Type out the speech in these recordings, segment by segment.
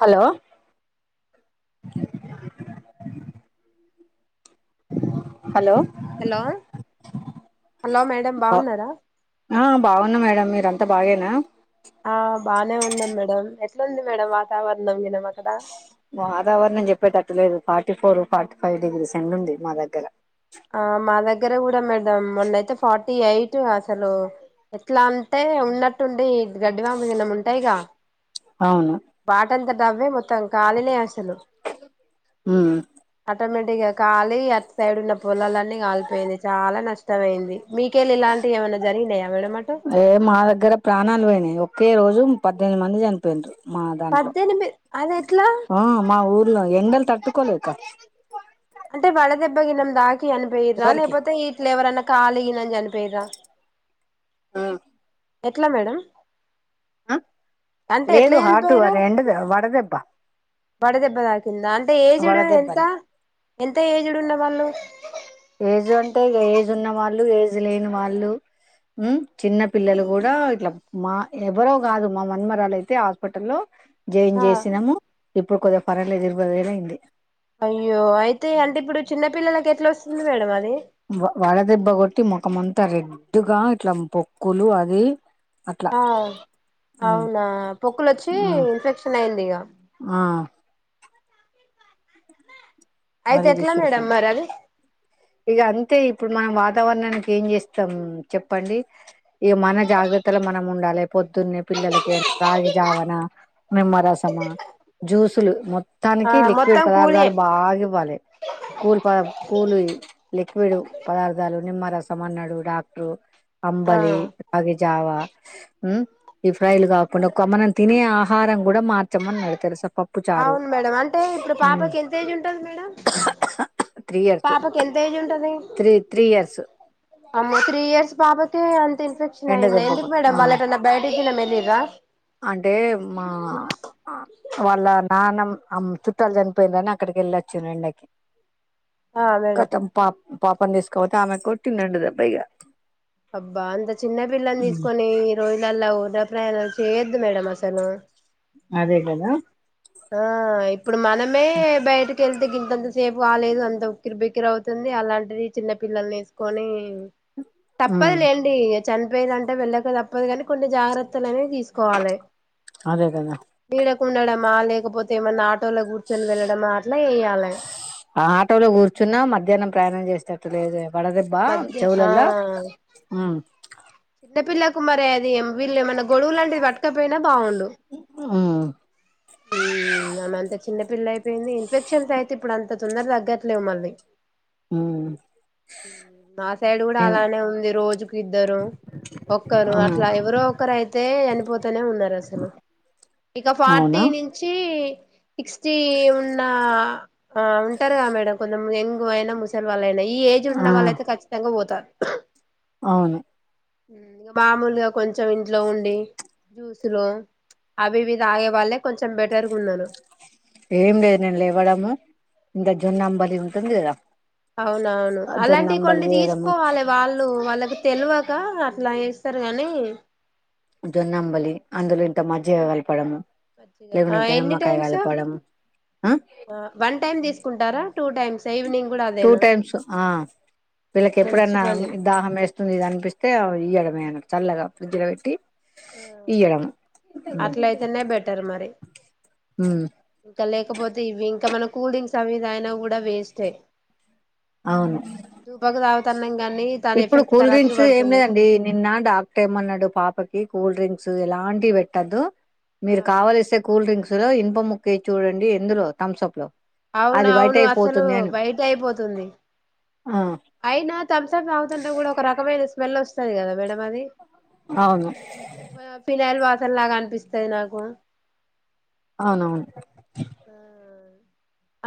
hello hello hello hello madam ఆ బాగున్నరా ఆ బాగున్నా మేడం మీరంతా బాగేనా ఆ బానే ఉన్నాం మేడం ఎట్లుంది మేడం వాతావరణం వినం అక్కడ వాతావరణం చెప్పేటట్టు లేదు forty four forty five degrees ఎండూంది మా దగ్గర ఆ మా దగ్గర కూడా మేడమ్ మొన్నయితే ఫార్ టీ ఎయిట్ అసలు ఎట్లా అంటే ఉన్నట్టుండి గడ్డివాములనం ఉంటాయిగా అవును వాటంతటవ్వే మొత్ మొత్తం కాలి లే అసలు ఉమ్ ఆటోమేటిక్ గ కాలి అటు సైడ్ ఉన్న పొలాలన్నీ కాలిపోయినాయి చాలా నష్టమైంది మీకేల్లిలాంటి ఏమనా జరిగినాయా మేడం అట ఏ మా దగ్గర ప్రాణాలు పోయినాయి ఒకే రోజు పద్దెనిమిది మంది చని చనిపోయిన్రు మా దాంట్లో పద్దెనిమిది అది ఎట్లా ఆ మా ఊర్లో ఎండలు తట్టుకోలేక అంటే వడదెబ్బ గిన్నం దాకి చనిపోయరా ఎవరికి లేకపోతే ఇట్లేవరైనా కాలి గిన చనిపోయరా ఆ ఎట్లా మేడం అంటే ఎట్లా లేదు హార్ట్ చనిపోయారు వర్ ఎండ్ వడదెబ్బా వడ దెబ్బ తాకిందా అంటే ఏజ్డ్ ఎంత వడదెబ్బని ఎంత ఏజ్డ్ ఉన్న వాళ్ళు ఏజ్ అంటే ఏజ్ ఉన్న వాళ్ళు ఏజ్ లేని వాళ్ళు మ్మ్ చిన్న పిల్లలు కూడా ఇట్లా మా ఎవరో కాదు మా మన్మరాలయితే హాస్పిటల్ల్లో జాయిన్ ఆ చేసినము ఇప్పుడు కొద్దిగా పర్లేదు ఇరవై వేలయింది అయ్యో అయితే అంటే ఇప్పుడు చిన్నపిల్లలకెట్లోస్తుంది మేడమది వడ దెబ్బ కొట్టి ముఖమంతా రెడ్ గా ఇట్లా పొక్కులు అది అట్లా ఆ ఉమ్ అవునా పొక్కులొచ్చి ఉమ్ ఇన్ఫెక్షన్ అయింది ఇగ ఆ అయితే అది ఎట్లా మేడం విశేషం మరి అది ఇగంతే ఇప్పుడు మనం వాతావరణానికి ఏం చేస్తాం చెప్పండి ఈ మన జాగ్రత్తల మనం ఉండాలి పొద్దున్నే పిల్లలకి రాగి జావన నిమ్మరసమ జ్యూసులు ఆ మొత్తానికి లిక్విడ్ మొత్తం కూలియే పదార్థాలు బాగా ఇవ్వాలె కూల్ పదా కూల్ లిక్విడ్ పదార్థాలు నిమ్మరసం అన్నడు డాక్టరు ఆ అంబలి రగి జావా హు ఈ ఫ్రైలు కాకుండా ఒక మనం తినే ఆహారం కూడా మార్చామన్నాడు తెలుసా ప అవును మేడం అంటే ఇప్పుడు పాపకి ఎంత ఏజ్ ఉంటది మేడం త్రీ ఇయర్స్ పాపకి ఎంత ఏజ్ ఉంటది త్రీ త్రీ ఇయర్స్ అమ్మో త్రీ ఇయర్స్ పాప కే అంత ఇన్ఫెక్షన్ ఎండ అయిందా ఎందుకు దెబ్బకు మేడం ఆ వెళ్ళేటన్న బయట గిన వెళ్లిర్ర అంటే మా ఆ వాళ్ళ నాన్న అమ్మ చు చుట్టాలు చనిపోయింరని అక్కడికి వెళ్ళొచ్చిల్లు ఎండకి ఆ మేడం కథం పా పాపం తీసుకపోతే ఆమెకు కొట్టిన్నండు ఆట దెబ్బాయిగా అబ్బా అంత చిన్న పిల్లని తీసుకొని ఈ రోజులలా వృధా ప్రయాణాలు చేయొద్దు మేడం అసలు అదే కదా ఆ ఇప్పుడు మనమే బయట కెళ్తే గింతంత సేపు కాలేదు అంత ఉక్కిరి బికిర అవుతుంది అలాంటిది చిన్న పల్లల్ని వేసుకొని [inaudible] తప్పదు ఉమ్ లేండి ఈగ చనిపోయరంటె వెళ్ళక తప్పదు కానీ కొన్ని జాగ్రత్తలు అనేవి తీసు కోవాలే అదే కదా నీడకుండడమా లేకపోతే ఏమన్నా ఆటోలో కూర్చొని వెళ్ళడంమా అట్లా చేయలే ఆ ఆటోలో కూర్చున్నా మధ్యాహ్నం ప్రయాణం చేసేటట్టు లేదే వడదేబ్బా మధ్య ఆ చెవులలా మ్ చిన్న పిల్లకు మరి అది వీళ్ళ ఏమైన్నా గొడలు లాంటివి పట్టు కపోయినా బాగుండు మ్ మ్ ఆమెంతా చిన్న పిల్ల అయిపోయింది ఇన్ఫెక్షన్స్ అయితే ఇప్పుడు అంత తొందర తగ్గట్లేదు మళ్ళీ హుమ్ మా సైడ్ కూడా అలానే ఉంది రోజుకు ఇద్దరు ఒక్కరు మ్ అట్లా ఎవరో ఒకరు అయితే చనిపోతనే ఉన్నారు అసలు ఇక ఫార్టీ అవునా నుంచి సిక్స్టీ ఉన్నా ఆ ఉంటారుగా మేడం కొంచం ఎంగు అయినా ముసలి వాళ్ళు అయినా ఈ ఇంట్ల ఆ వాళ్ళయితే ఖచ్చితంగా పోతారు అవును మామూలుగా కొంచెం ఇంట్లో ఉండి జ్యూసు లు అవివి తాగే వాళ్ళే కొంచెం బెటర్గున్నారు ఏం లేదు నేను లేవ్వడము ఇంత జొన్న అంబలి ఉంటుంది కదా అవునవును జొన్న అలాంటివి అంబలి కొన్ని చేయడము తీసుకోవాలే వాళ్ళు వాళ్ళకి తెలివక అట్లా చేస్తారు కాని జోన్నంబలి అందులో ఇంత మజ్జిగా కలపడము మంచిగా ఆ లేకుంటే ఇంత ఎన్ని నిమ్మకాయ టైమ్స్ కలపడం ఆ వన్ టైం తీసుకుంటారా టూ టైమ్స్ ఆ ఈవినింగ్ కూడాఅదే టూ టైమ్స్ ఆ వీళ్ళకి మంచి ఎప్పుడన్నా అవే పని దాహం వేస్తుంది ఇది అనిపిస్తే ఇయడమే ఆయనకు చల్లగా ఫ్రిడ్జ్ లో పెట్టి ఆ ఈయ్యడం అట్లయితేనే బెటర్ మరి హు ఇంకా లేకపోతే ఇవి ఇంకా మనం కూల్ డ్రింక్స్ అవి తాగినా కూడా వేస్టే అవును [unintelligible] అన్నాంగా అన్ని ఇప్పుడు కూల్ డ్రింక్స్ ఏం లేదండి నిన్న డాక్ట టర్ ఏమన్నాడు పాపకి కూల్ డ్రింక్స్ ఎలాంటివి పెట్టద్దు ఆ మీరు మేడం కావల్సే కూల్ డ్రింక్స్ లో ఇంప ముక్కయే చూడండి ఎందులో థమ్స అప్ లో అది బయట అవునవును అసలు అయిపోతుంది అని వైట్ అయిపోతుంది ఆ అయినా థమ్సప్ తాగుతుంటే కూడా ఒక రకమైన స్మెల్ వస్తది కదా మేడం అది అవును ఫినైల్ వాటర్ లాగా అనిపిస్తుది నాకు అవునవును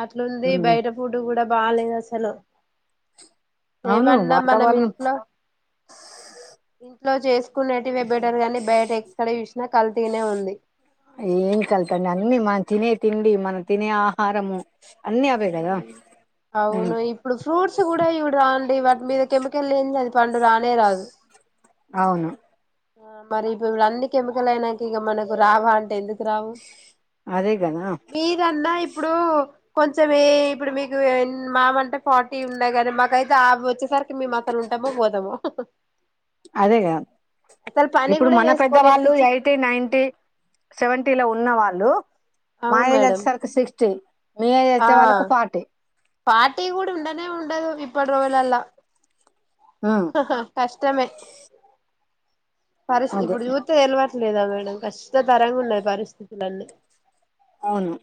అట్లుంది ఉమ్ బయట ఫుడ్డు కూడా బాలేదు అసలు అవును ఏమన్నా మనం వాతావరణం ఇంట్లో ఇంట్లో చేసుకునేటివే బెటర్ గాని బయట ఎక్కడ చూసినా కల్తీనే ఉంది ఏం కల్తండి అన్ని మనం తినే తిండి మనం తినే ఆహారము అన్నీ అవే కదా ఉమ్ అవును ఇప్పుడు ఫ్రూట్స్ కూడా ఇవిడు రాండి వాటి మీద కెమికల్ లేంది అది పండు రానే రాదు అవును మరి ఇప్పుడు అన్ని కెమికల్ అయినాక ఇక మనకు రావా అంటే ఎందుకు రావు అదేగద మీరన్నా ఇప్పుడు కొంచెం ఇప్పుడు మీకు మామంటే ఫార్టీ ఉన్నాయి కానీ మాకైతే ఆ వచ్చేసరి మేమసలు ఉంటమో పోతమో అదేగా పని ఇప్పుడు కూడా మన చేసుకోలేని పెద్దవాళ్ళు పిచ్చి ఎయి టి నైన్టీ సెవెంటీ లో ఉన్న వాళ్ళు మా అవును ఏజ్ మేడం వచ్చేసరికి సిక్స్టీ మీలా చేసే వాళ్ళకు ఫాటీ ఫాటీ కూడా ఉండనే ఉండదు ఇప్పుడోళ్ళల్లా హ్మ్ కష్టమే పరిస్తి అదే ఇప్పుడు చూత తెలవట్లేదా మేడం కష్ట తరంగా ఉన్నాయి పరిస్థితులన్నీ అవును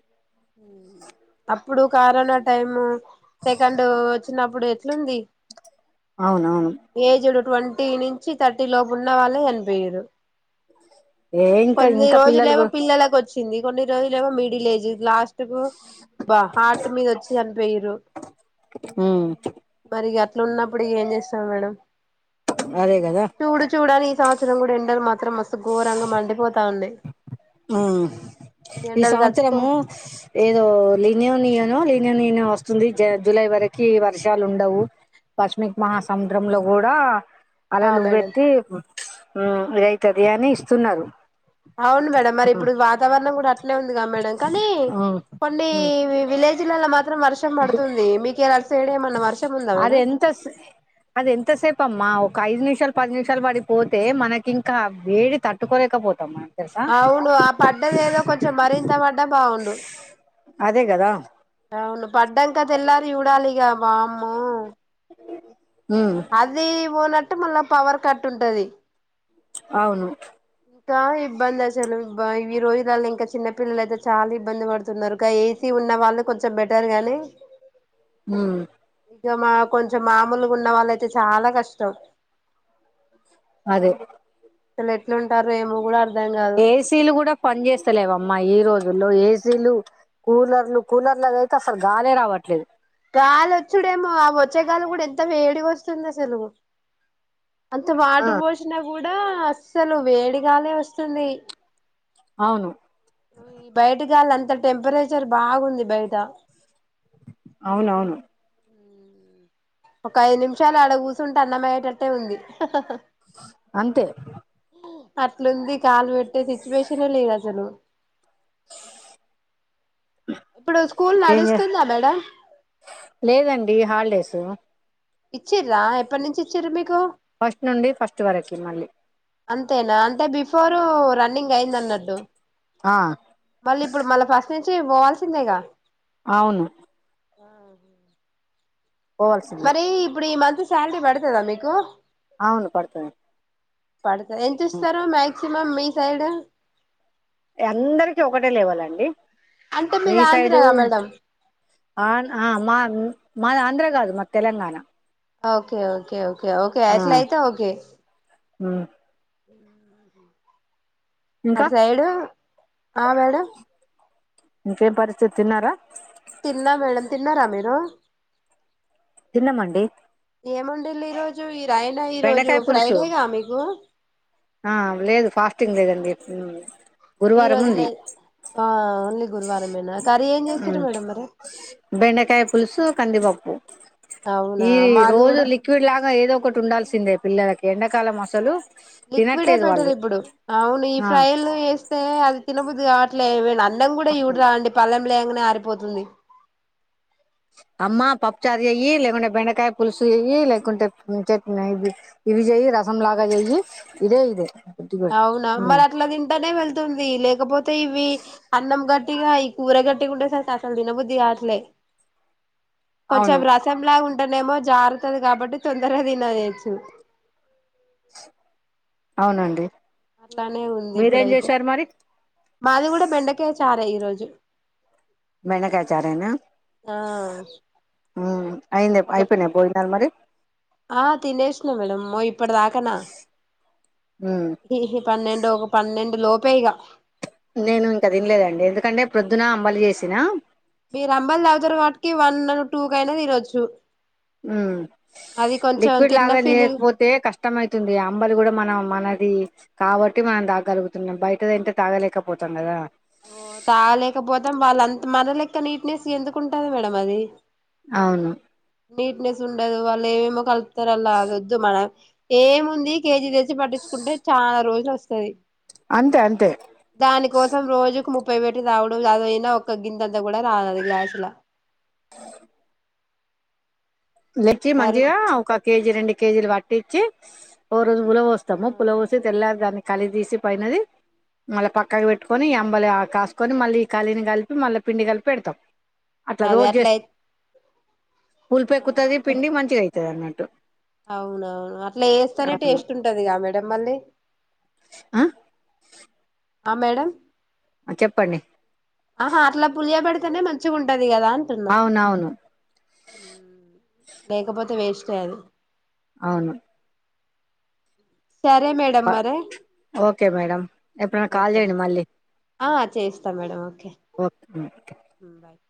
అప్పుడు కరోనా టైము సెకండ్ వచ్చినప్పుడు ఎట్లుంది అవునవును ఏజ్డ్ ట్వంటీ నుంచి థర్టీ లోపు ఉన్న వాళ్ళే చనిపోయిరు ఏ ఇంకా కొన్ని ఇంకా రోజులు పిల్లలు ఏమో కూడా పిల్లలకు వచ్చి చింది కొన్ని రోజులేమో మిడిల్ ఏజ్ లాస్ట్ కు బా హాటు మీద వచ్చి చనిపోయిరు ఉమ్ మరి గట్ల ఉన్నప్పుడు ఏం చేస్తాం మేడం అదే కదా చూడు చూడాలి ఈ సంవత్సరం కూడా ఎండలు మాత్రం మస్తు ఘోరంగా మండిపోతా ఉండి ఆ ఈ ఎండలు తట్టుకో సంవత్సరము ఏదో లినియోనియోనో లీనియోనినియో వస్తుంది జ జులై వరకి వర్షాలు ఉండవు పష్మిక్ మహాసముద్రంలో కూడా ఆ అలలు మేడం వెట్టి ఉమ్ ఇదైతది అని ఇస్తున్నారు అవును మేడం మరి ఉమ్ ఇప్పుడు వాతావరణం కూడా అట్నే ఉందిగా మేడం కానీ కొన్ని ఉమ్ వి విలే జులల్లో మాత్రం వర్షం పడుతుంది మీకియేలా అటు సైడు ఏమన్నా వర్షం ఉందా మేడం తస్ అది ఎంతసేపు అమ్మా ఒక ఐదు నిమిషాలు పది నిమిషాలు పడి పోతే మనకి ఇంకా వేడి త ట్టుకోలేకపోతాం మనం తెలుసా అవును ఆ పడ్డది ఏదో కొంచెం మరింత పడ్డా బావుండు అదే గదా అవును పడ్డంక తెల్లారి చూడాలి ఇగ వామ్మో ఊ అది పోనట్టు మళ్ళా పవర్ కట్ ఉంటుది అవును ఇంకా ఇబ్బంది అసలు బ్బా ఈ రోజులల్లో ఇంకా చిన్నపిల్లలైతే చాలా ఇబ్బంది పడుతున్నారు కా ఏ తి ఉన్న వాళ్ళు కొంచెం బెటర్ గానీ ఉమ్ ఇంక మా కొంచెం మామూలుగా ఉన్న వాళ్ళు అయితే చాలా కష్టం అదే సలు ఎట్లుంటారు ఏమో గూడా అర్ ఏ సీ లు కూడా పని చేస్తలేవమ్మా ఈ రోజుల్లో ఏ సీ లు కూలర్లు కూలర్ లో గైతే అస్సలు గాలే రావట్లేదు గాలొచ్చుడేమో అ వచ్చేగాలి కూడా ఎంత వేడిగొస్తుంది అసలు అంత ఆ వాటరు పోషినా కూడా అస్సలు వేడిగాలే వస్తుంది అవును ఈ బయట గాలి అంత టెంపరేచర్ బాగుంది బయట అవునవును ఒక ఐదు నిమిషాలు ఆడ కూసుంటే అన్నం అయ్యేటట్టే ఉంది అంతే అట్లుంది కాలు పెట్టే సిచ్యువేషనే లేదు అసలు ఇప్పుడు స్కూల్ ఏం చేస్ నడుస్తుందా మేడం లేదండి హాలిడేసు ఇచ్చిర్రా ఎప్పటి నుంచి ఇచ్చిర్రు మీకు ఫస్ట్ నుండి ఫస్ట్ వరకి మళ్ళీ అంతేనా అంటే బిఫోరు రన్నింగ్ అయ్యింది అన్నడ్డు ఆ మళ్ళీ ఇప్పుడు మళ్ళ ఫస్ట్ నుంచి పోవాల్సిందేగా అవును పోవాల్సిందే మరీ ఇప్పుడు ఈ మంతు శాలరీ పడతదా మీకు అవును పడుతుని పడుతే ఎంత ఇస్తారు మాక్సిమం మీ సైడు అందరికీ ఒకటే లెవలండి అంటే మీ మీది సైడు ఆంధ్రగా మేడం ఆన్ ఆ మా మాది ఆంధ్ర కాదు మా Telangana okay okay okay okay అట్లా అయితే ఓకే ఊ ఉ ఇంకా అటు సైడు ఆ మేడం ఇంకే పరిస్థితి తన్నారా తిన్నా మేడం తిన్నరా మీరు తిన్నమండి ఏముండుల్లి ఈ రోజు ఈ రాయనా ఈ రోజు బెండకాయ పులుసు ఫ్రైడేగా మీకు ఆ లేదు ఫాస్టింగ్ లేదండి ఈ గురువారం రోజు ఉంది లేదు ఆ ఓన్లీ గురువారంమేనా కర్రీ ఏం చేసిర్రు ఉమ్ మేడం మరి బెండకాయ పులుసు కందిపప్పు అవునా ఈ మాది రోజు కూడా లిక్ విడ్ లాగా ఏదో ఒకటి ఉండాల్సిందే పిల్లలకి ఎండకాలం అసలు లిక్విడే తినట్లేదు బెటర్ వాళ్ళు ఇప్పుడు అవును ఈ ఆ ఫ్రైలు ఏస్తే అది తినబద్దుదికావ అట్ల ఏమన్న అన్నం కూడ చూడరాదండి పళ్లెంల ఎయ్యంగనే ఆరిపోతుంది అమ్మా పప్పుచారు చెయ్యి లేకుంటే బెండకాయ పులుసు చెయ్యి లేకుంటే చట్నీ ఇది ఇవి చెయ్యి రసంలాగ చెయ్యి ఇదే ఇదే అవునా మరి ఉమ్ అట్ల తింటానే వెళ్తుంది లేకపోతే ఇవి అన్నం గట్టిగా ఈ కూర గట్టిగ ఉండే సరికి అసలు తినబుద్ధి కాట్లే కొంచెం అవును రసంలాగ ఉంటనేమో జారుతది కాబట్టి తొందరగ తినేయొచ్చు అవునండి అలానే ఉంది మీరేం ఇప్పుడైతే చేశారు మరి మాది కూడ బెండకయ చారే ఈరోజు బెండకాయ చారేనా ఆ ఆ అయింది ఇంక అయిపోయినయ భోజనాలు మరి ఆ తినేసిన మేడం అమ్మో ఇప్పటి దాకనా ఉం పన్నెండు ఒక పన్నెండు లోపే ఇగ నేను ఇంక తినలేదండి ఎందుకంటే ప్రొద్దున అంబలి చేసినా మీరు అంబలి తాగుతున్నరు కాబట్టికి వన్ టూ కయినా తినొచ్చు ఉం అది కొంచెం లిక్విడ్ లాగ తిన్న ఫీలింగ్ చేయకపో తే కష్టం అయితుంది అంబలి కూడ మనం మనది కాబట్టి మనం తాగగలుగుతున్నాం బయటదంటే తాగలేకపోతాం కదా ఓ తాగలేకపోతే వాళ్ళంత మన లెక్క నీట్నెస్ ఎందుకుంటది మేడం అది అవును నీట్నెస్ ఉండదు వాళ్ళు ఏమేమో కలుపుతరు అల్లా అది ఒద్దు మనం ఏముంది కేజీ తెచ్చి పట్టిచ్చుకుంటే చాన రోజులు ఒస్తది అంతే అంతే దానికోసం రోజుకు ముప్పై పెట్టి తాగుడు అదయినా ఒక గిందంతా కూడ రాదది గ్లాసుల అ తెచ్చి మరి మంచిగా ఒక కేజీ రెండు కేజీలు పట్టిచ్చి ఓ రోజు పులవొస్తము పులవోసి ఆ తెల్లారి దాన్ని కలి తీసి పైనది మళ్ళ పక్కకు పెట్టుకొని అంబలి ఆ కాస్కొని మళ్ళీ ఈ కలిని కలిపి మళ్ళీ పిండి కలిపి పెడ్తం అట్ల అదే రోజు అట్లా చేస్త అయి ఆ పులుపెక్కుతది అట్లే పిండి మంచిగైతది అన్నట్టు అవునవును అట్ల చేస్తనే అవును టేస్ట్ ఉంటదిగా మేడం మళ్ళీ ఆ ఆ మేడం ఆ చెప్పండి అహా అట్ల పులియ పెడితేనే మంచిగ ఉంటది కదా అంటున్న అవునవును లేకపోతే వేస్ట్ ఏ అది అవును సరే మేడ బా ఓకే మేడం ఎప్పుడన్న కాల్ ఓకే చేయండి మళ్ళీ ఆ చేస్తా మేడం ఓకే ఓకే ఉ బాయ్